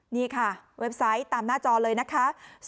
นี่ค่ะเว็บไซต์ตามหน้าจอเลยนะคะ